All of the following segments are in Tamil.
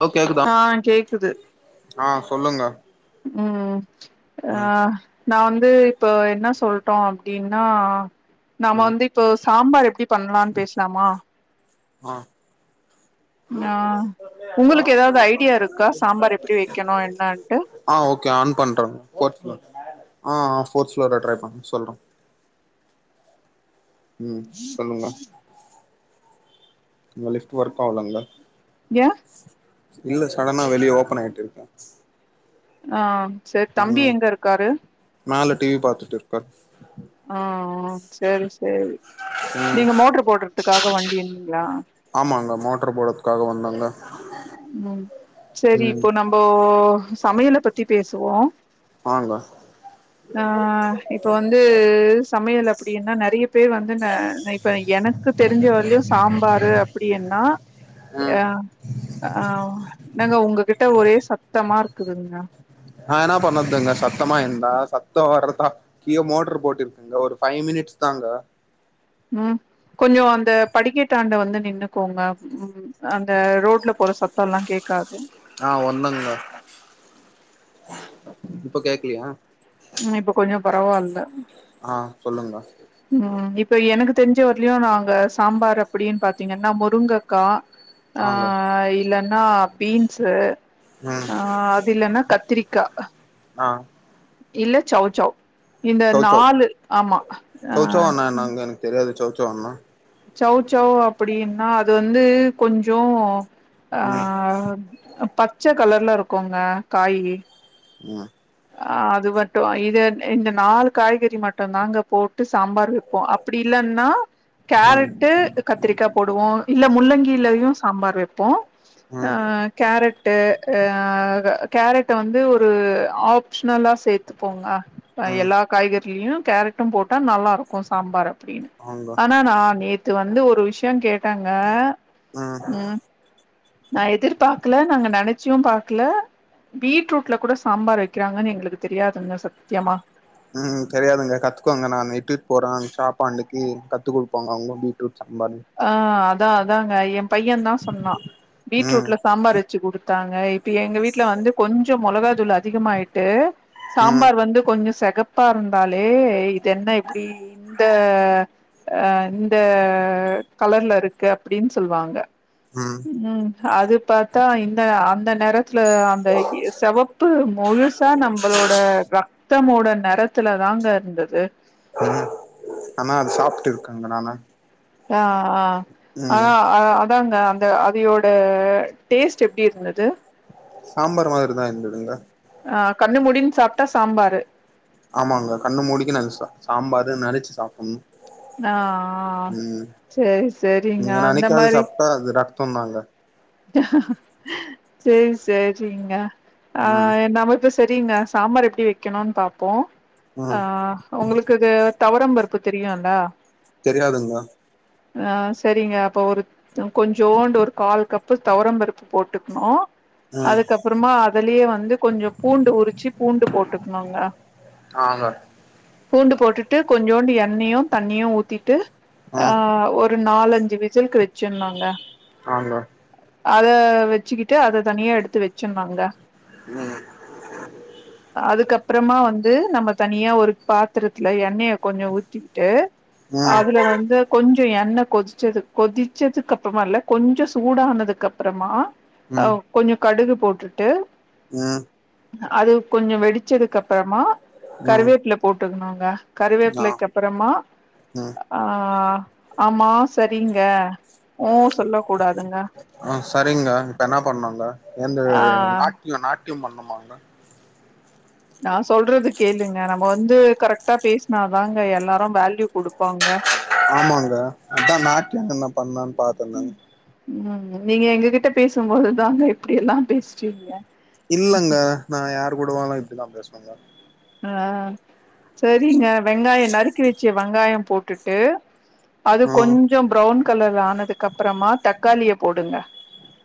ஹலோ கேக்குதா ஆ கேக்குது ஆ சொல்லுங்க ம் அ ம் நா வந்து இப்ப என்ன சொல்டு அப்டினா நாம ம் வந்து தோ சாம்பார் எப்டி பண்லான் பேஸ்லாமா ஆ ஆ உங்களுக்கு ஏதாவது ஐடியா இருக்கா சாம்பார் எப்டி வெக்கணு என்னான்ட்டு ஆ ஓகே ஆன் பண்ற [unintelligible] ஆ ஆ ஃபோர்ஸ் ஃபோலோர ட்ரை பண் சொல்ற ம் சொல்லுங்க அந்த லிப்ட் ஒர்க் ஆவலங்ளா ஏ இல்ல சடனா வெளிய ஓப்பன் ஆயிட்டு இருக்கே அ சேரி தம்பி ம் எங்க இருக்காரு மேல டிவி பாத்துட் இருக்கார் ஆ ஆ சேரி சேரி ம் நீங்க மோட்ரு போட்றதுக்காக வண்டி வந்தீங்ளா ஆமாங்க மோட்டர் போட்றத்துக்காக வந்தங்க ம் சேரி இப்போ நம்போ சமையல பத்தி பேசுவோ ஆங்க அ இப் ப வந்து சமையல் அப்டின்னா நெறைய பேரு வந்து நா நா இப்ப எனக் கு தெரிஞ்ச வர்லையு சாம்பாரு அப்டியன்னா ம் ஏ ஆ என்னாங்க உங்ககிட்ட ஒரே சத்தமா இருக்குதுங்க நா என்னா பண்ணற்துங்க சத்தமா இருந்தா சத்தோ வர்றத்தா கீழ மோட்டர் போட்ருக்கங்க ஒரு ஃபைவ் மினிட்ஸ் தாங்க ம் கொஞ்சோ அந்த படிக்கட்டாண்ட வந்து நின்னுக்கோங்க ம் அந்த ரோட்ல போற சத்தோல்லா கேக்காது அ ஒன் மினுக்கா இப்ப கேக்கலையா ம் இப்போ கொஞ்சோ பரவால்ல ஆ சொல்லுங்கா ம் இப்ப எனக்கு தெரிஞ்ச வரைலயு நாங்க சாம்பார் அப்டின்னு பாத்தீங்கன்னா முருங்கக்கா ஆ ஆங்க இல்லன்னா பீன்ஸ் ம் ஆ அது இல்லன்னா கத்திரிக் கா ஆ இல்ல சௌசௌ இந்த சௌசௌ நாலு ஆமா சௌசௌ அங் அண்ணா என்னங்க எனக்கு தெரியாது சௌசௌ ன்னா சௌசௌ அப்டின்னா அது வந்து கொஞ்சோ ஆ ம் அ பச்ச கலர்ல இருக்கூங்க காய் ம் அ அது மட்டு இது இந்த நாலு காய்கறி மட்டுந்தாங்க போட்டு சாம்பார் வைப்போ அ ப்டி இல்லன்னா ம் கேரட்டு கத் திரிக்கா போடுவோ இல்ல முள்ளங்கிலயு சாம்பார் வைப்போ ஆ ம் கேரட்டு அ கேரட் வந்து ஒரு ஆப் ப்ஷனல சேத்துப்போங்க அ ம் எல்லா காய்கறிலயு கேரட்டு போட்டா நல்லாருக்கும் சாம்பாரு அப்டின்னு அவுங்க ஆனா நா நேத்து வந்து ஒரு விஷயோ கேட்டங்க ம் நா எதிர்பாக்கல நாங்க நெனைச்சும் பாக்கல பீட்ரூட்ல கூட சாம்பார் வைக்கிறாங்கன்னு எங்களுக்கு தெரியாதுங்க சத்தியமா ம் தெரியாதுங்க கத்துக்கோனுங்க நா நைட் டூட் போறே அங்க சாப்பா அன்னிக்கு கத்துக் குடுப்பாங்க அவங்க பீட்ரூட் சாம்பார்னு ஆ அதா அதாங்க எ பையன்தா சொன்னா ம் பீட்ரூட்ல சாம்பார் வச்சு குடுத்தாங்க இப்ப எங்க வீட்ல வந்து கொஞ்சோ மொளகா தூள் அதிகமாயிட்டு ம் சாம்பார் வந்து கொஞ்சோ செகப் பா இருந்தாலே இது என்ன எப்டி இந்த அ இந்த கலர்ல இருக்கு அப்டின்னு சொல்வாங்க ம் ம் அது பாத்தா இந்த அந்த நெற த்துல அந்த இ செவப்பு முழுசா நம்மளோட ர த்தமோட நெறத்துல தாங்க இருந்தது ம் ஆனா அது சாப்ட்டுருக்கங்க நானு ஆ ஆ ம் ஆனா அதா ந்தாங்க அந்த அதையோட டேஸ்ட் எப்டி இருந்துது சாம்பார் மாரிதா இருந்துதுங்கா ஆ கண்ண மூடின் சாப்புட்டா சாம்பாரு ஆமாங்கா கண்ணு மூடிக்குன்னா அது சா சாம்பாரு நெனச்சு சாப்பணு நா செரி செரிங்க அந்த மாரி னா அது ரத்தோனாங்க சேரி செரிங்க ஆ ம் நம்ம பேசு செரிங்க சாம்பார் எப்டி வைக்கணுனு பாப்போ ஆ ம் உங்களுக்கு அது தவரம் பருப்பு தெரியுல்ல தெரியாதுங்க ஆ சரிங்க அப்ப ஒரு அ கொஞ்சோண்டு ஒரு கால் கப்பு தொவரம் பருப்பு போட்டுக்ணு ம் அதுக்கப்புறமா அதுலே வந்து கொஞ்சொ பூண்டு உருச்சு பூண்டு போட்டுக்ணுங்க ஆங்க பூண்டு போட்டுட்டு கொஞ்சோண்டு எண்ணெயு தண்ணியு ஊத்திட்டு ஆ ஒரு ரு நாலஞ்சு விசில்க்கு வெச்சர்னுங்க ஆங்க அத வெச்சுக்கிட்டு அத தனியா எடுத்து வெச்சிர்னுங்க ம் [unintelligible] அதுக்கப்றமா வந்து நம்ம தனியா ஒரு பாத்துரத்துல எண்ணெய கொஞ்சொ ஊத்திக்ட்டு ம் அதுல வந்து கொஞ்சொ எண்ணெ கொசுச்சது கொதிச்சதுக்கு அப்றமா இல்ல கொஞ்சொ சூடானதுக்கு அப்றமா ம் அவ் கொஞ்சொ கடுகு போட்டுட்டு ம் அது கொஞ்சொ வெடிச்சதுக்கு அப்பறமா ம் கருவேப்பில போட்டுருணுங்க ஆ கருவேப்பிலைக்கு அப்பறமா ம் ஆ ஆமா செரிங்க ஓ சொல்ல கூடாது [unintelligible] அ சரிங்க இப்ப என்னா பண்ணுங்க எந்த ஆ நாட்டியொ நாட்டியொம் பண்ணுமாங்க நா சொல்றது கேளுங்க நம்ம வந்து கரெக்டா பேசுனாதாங்க எல்லாரு வேல்யூ குடுப்பாங்க ஆமாங்க அதா [unintelligible] பாத்த நா ம் நீங்க எங்ககிட்ட பேசும்போதுதாங்க இப்டி எல்லா பேஸ்ரிங்க இல்லங்க நா யார் கூட வாலா இப்டிதா பேசுவேங்க அ செரிங்க வெங்காயொ நறுக்கி வச்ச வெங்காயொ போட்டுட்டு அது ஆ கொஞ்சொ ப்ரவுன் கலர் ஆனதுக்கு அப்றமா தக்காளிய போடுங்க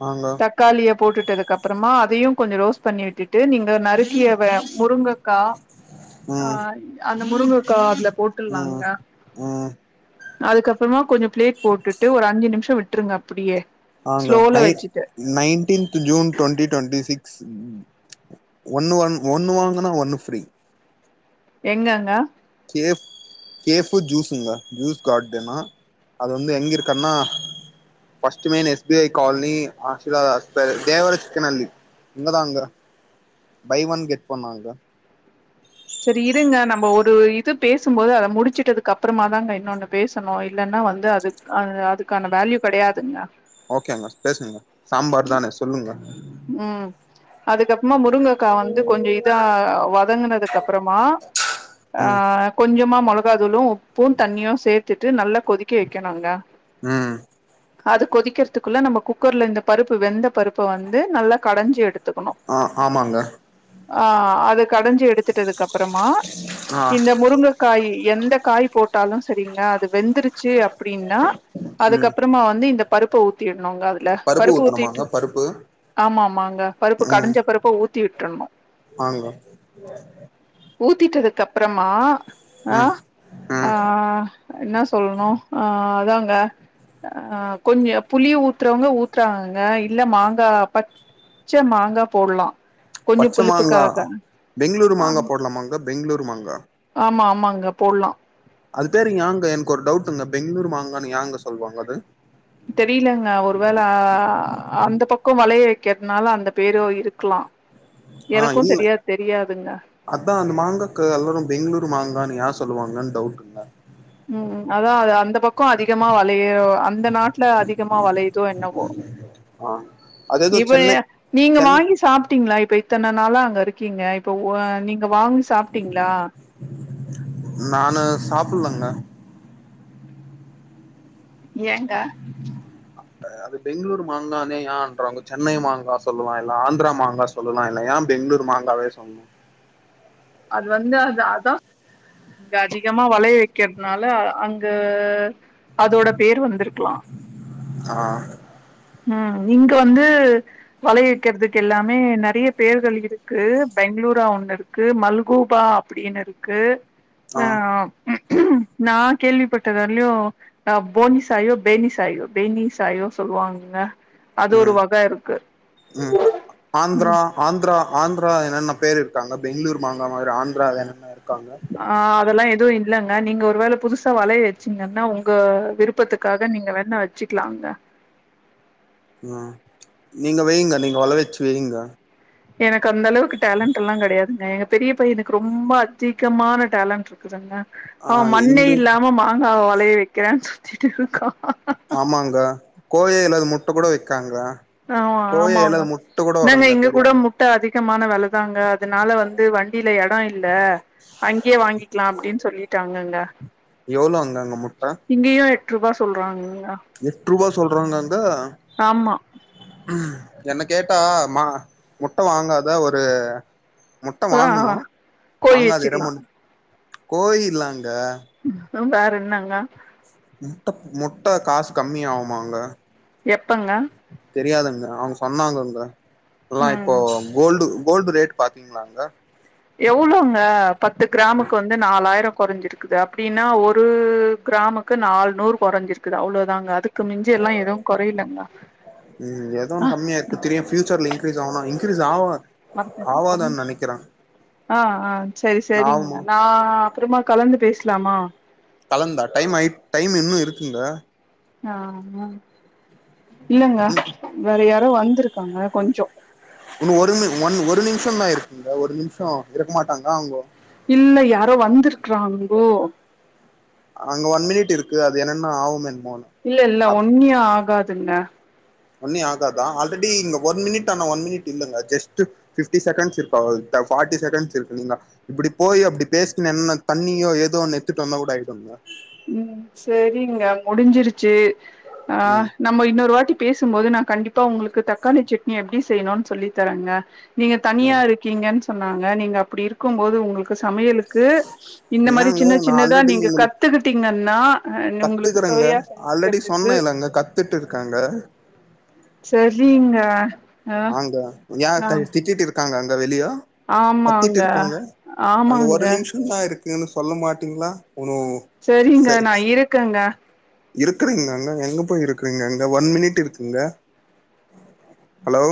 ஆங்க தக் க்காளிய போட்டுட்டதுக்கு அப்புறமா அதையு கொஞ்சொ ரோஸ்ட் பண்ணி விட்டுட்டு நீங்க நறுக்கிய வெ முருங்கக்கா அ ம் அந்த முருங்கக்கா அதுல ம் போட்டுர்லாங்க ம் அதுக்கப்புறமா கொஞ்சொ ஃபிளேக் போட்டுட்டு ஒரு அஞ்சு நிம்ஷொ விட்ருங்க அப்புடியே ஆங்க நை nineteenth June twenty twenty six ஒன்னு ஒன் ஒன்னு வாங்கனா ஒன்னு ஃப்ரீ எங்கங்க கேஃப் கேஃபு ஜூஸுங்க ஜூஸ் கார்டனா அது வந்து எங்க இருக்கன்னா first main S B I colony ஆசில [unintelligible] இங்கதாங்க by one get ஒன்னாங்க செரி இருங்க நம்ம ஒரு இது பேசும்போது அத முடுச்சுட்டதுக்கு அப்பறமா தாங்க இன்னொன்னு பேசணு இல்லன்னா வந்து அது அ அதுக்கான வேல்யூ கெடையாதுங்க ஓகேங்க பேசுங்க சாம்பார் தானே சொல்லுங்க ம் அதுக்கப்ர்மா முருங்கக் கா வந்து கொஞ்சொ இதா வதங்குனதுக்கு அப்பறமா ஆ ம் கொஞ்சமா மொளகாதூளு உப்பு தண்ணியு சேத்துட்டு நல்லா கொதிக்க வைக்கணுங்க ம் அது கொதிக்கிறதுக்குள்ள நம்ம குக்கர்ல இந்த பருப்பு வெந்த பருப்ப வந்து வந்து நல்லா கடஞ்சு எடுத்துக்கணு ஆ ஆமாங்க ஆ அது கடஞ்சு எடுத்துட்டதுக்கு அப்பறமா ஆ இந்த முருங்கக் காய் எந்த காய் போட்டாலு சரிங்க அது வெந்துருச் ச்சு அப்டினா ம் அதுக்கப்புறமா வந்து இந்த பருப்ப ஊத்திடனுங்க அதுல பருப்பு ஊத்தணுமாங்க ஊத்திட்டு பருப்பு ஆமா ஆமாங்க பருப்பு ம் கடைஞ்ச பருப்பு ஊத்தி வுட்ரணு ஆங்க ஊத்திட்டதுக்கப்புறமா அ ம் ஆ ம் என்ன சொல்லணு ஆ அதாங்க ஆ கொஞ்சோ புளி ஊத்துறவங்க ஊத்துறாங்கங்க இல்ல மாங் கா பச்ச மாங்கா போட்லா கொஞ்ச பச்ச மாங்கா புளிப்புக்காக பெங்ளூரு ஆ மாங்கா போட்லமாங்க பெங்ளூரு மாங்கா ஆமா ஆமாங்க போட்லா அது பேரு யாங்க எனக்கு ஒரு டவுட்ங்க பெங்ளூரு மாங்கான்னு யாங்க சொல்லுவாங்க அது தெரிலங்க ஒருவேள அந்த பக்கோ வளைய வக்கிறனால அந்த பேரு இருக்கலா ஆ எனக்கு இல்ல சரியா தெரியாதுங்க அதா அந்த மாங்காக்கு எல்லாரு பெங்ளூரு மாங்கான்னு யா சொல்லுவாங்கனு டவுட் ம் அதா அது அந்த பக்கோ அதிகமா வளையிதோ அந்த நாட்ல அதிகமா வளையுதோ என்னவோ ஆ அதேதோ இப்ப சென்னை நீங்க சென் வாங்கி சாப்ட்டீங்களா இப்ப இத்தன நாளா அங்க இருக்கீங்க இப்போ வா நீங்க வாங்கி சாப்ட்டீங்களா நானு சாப்பிட்லங்க ஏங்க அது பெங்களூரு மாங்கனு ஏன்றாங்க சென்னை மாங்கா சொல்லலா இல்ல ஆந்திரா மாங்கா சொல்லலா இல்ல யா பெங்ளூரு மாங்காவே சொல் அது வந்து அது அதாது அங்க அதிகமா வளைய வைக்கிறதுனால அங்க அதோட பேர் வந்திருக்கலா ஆ ம் இங்க வந்து வளை வக்கிறதுக்கெல்லாமே நெறய பேர்கள் இருக்கு பெங்களூரா ஒண்ணு இருக்கு மல்கூபா அப்டின்னு இருக்கு ஆ நா கேள்விப்பட்டது வறிலயு ஆ போனி சாயோ பேனிசாயோ பேனி சாயோ சொல்லுவாங்கங்க அது ஒரு ம் வக இருக்கு ம் ஆந்திரா ஆந்திரா ஆந்திரா என்னென பேர் இருக்காங்க பெங்ளூர் மாங்கா மாதிரி ஆந்திரா என்னென்ன இருக்கா ஆ அதெல்லா எதுவு இல்லங்க நீங்க ஒரு வேள புதுசா வளைய வச்சீங்கன்னா உங்க விருப்பத்துக்காக நீங்க வேணா வச்சுக்கலாங்க ம் நீங்க வைங்க நீங்க வளய வச்சு வைங்க எனக்கந்த அளவுக்கு டேலண்டட் எல்லா கிடையாதுங்க எங்க பெரிய பையனுக்கு ரொம்ப அதிகமான டேலண்ட்ருக் குதுங்க ஆ அவன் மண்ணே இந்து இல்லாம மாங்காவ வளய வைக்கிறேனு சுத்திட்டுருக்கா ஆமாங்க கோய இல்லாது முட்ட கூட வைக்காங்க ஆ ஆமாங்க நாங்க எங்க தெரியாது குடும்போ முட்டைஅதிகமான வெலதாங்க அதனால வந்து வண்டில எடோ இல் இல்ல அங்கயே வாங்கிக்கலா அப்டின் சொல்லிட்டாங்கங்க எவ்ளோங்க அங்க முட்ட இங்கேயு எட் ரூபா சொல்றாங்கங்க எட் ரூபா சொல்றாங்க அங்க ஆமா என்ன கேட்டா மா முட்டை வாங்காத ஒரு ஆ ஆ முட்டவாங்கணும் கோழி வாங்காது இட வச்சுக்கலா முன் கோயில் இலாங்க வேர என்னங்க முட்ட முட்ட காசு கம்மியாகுமாங்க எப்பங்க தெரியாதுங்க அவங்க சொன்னாங்கங்க எல்லாம் இப்போ ம் கோல்டு கோல்டு ரேட் பாத்தீங்களாங்க எவ்ளவுங்க பத்து கிராமுக்கு வந்து நாலாயிரம் குறைஞ்சிருக்குது அப்படின்னா ஒரு கிராமக் கு நால நூறு குறைஞ்சிருக்குது அவ்ளதாங்க அதுக்கு மிஞ்ச எல்லாம் எதுவும் குறைலங்க ம் எதோ ஒன்னு கம்மியா இருக்கு திடீர்னு பியூச்சர்ல இன் கிரீஸ் ஆவலாம் இன்கிரீஸ் ஆவல ஆவாதன்னு நினைக்கிறே ஆஹ் ஆஹ் சரி சரிங்க நான் அப்புறமா கலந்து பேசலாமா கலந்தா டைம் ஐ டைம் இன்னும் இருக்குங்க ஆஹ் இல்லங்க வேற யாரோ வந்திருக்காங்க கொஞ்சம் உன்னு ஒரு நிமி ஒன் ஒரு நிமிஷ தா இருக்குங்க ஒரு நிமிஷோ இருக்க மாட்டாங்கா அவங்கோ இல்ல யாரோ வந்திருக்கறாங்கோ அங்க ஒன் மினிட் இருக்கு அது என்னென்னா ஆவும் என்மோன்னு இல்ல இல்ல ஒன்னியோ ஆகாதுங்க ஒன்னியோ ஆகாதா ஆல்ரெடி இங்க ஒன் மினிட் அனா ஒன் மினிட் இல்லங்க ஜஸ்ட்டு ஃபிஃப்டி செகண்ட்ஸ் இருக்கா அவ்ளதா ஃபார்டி செகண்ட்ஸ் இருக்குங்க இப்படி போய் அப்படி பேசன்ன என்ன தண்ணியோ ஏதோ ஒண்ணு எத்துட்டு வந்தா கூட ஆயிடுங்க ம் சரிங்க முடிஞ்சிருச்சு ஆ ம் நம்ம இன்னொரு வாட்டி பேசும்போது நா கண்டிப்பா உங்களுக்கு தக்காளி சட்னி எப்படி செய்யணுன்னு சொல்லி தரங்க நீங்க தனியா ம் இருக்கீங்கன்னு சொன்னாங்க நீங்க அப்படி இருக்கும் போது உங்களுக் ஒரு சமையலுக்கு இந்த மாரி ஏங்க சின்ன நா சின்னதா நீங்க கத்துக்கிட்டீங்கன்னா உங்களுக்கு கத்துக்குறங்க சுவையா ஆல்ரெடி செஞ்சுக்கிறதுக்கு சொன்ன இல்லங்க கத்துட்டு இருக்காங்க செரிங்க ஆங்க ஏன் கை திட்டிட்டு இருக்காங்க அங்க வெளியோ கத்திட்டு ஆமாங்க இருக்காங்க அங்க ஆமாங்க ஒரு நிமிஷந்தா இருக்குன்னு சொல்ல மாட்டீங்களா உனோ சரிங்க நா இருக்கங்க இருக்கிறீங்களாங்க எங்க போய் இருக்குறீங்க அங்க ஒன் மினிட் இருக்குங்க ஹலோ